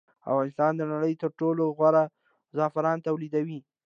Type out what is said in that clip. افغانستان د نړۍ تر ټولو غوره زعفران تولیدوي